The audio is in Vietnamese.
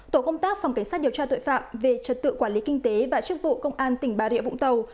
tổ công tác phòng cảnh sát điều tra tội phạm về trật tự quản lý kinh tế và chức vụ công an tỉnh bà rịa vũng tàu